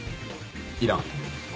いらん。